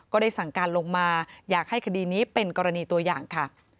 ก็ได้สั่งการลงมาอยากให้คดีนี้เป็นกรณีตัวอย่างค่ะ